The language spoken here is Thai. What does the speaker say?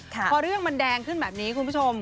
พอเรื่องมันแดงขึ้นแบบนี้คุณผู้ชม